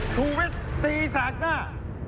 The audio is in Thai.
ชุวิตตีแสกหน้า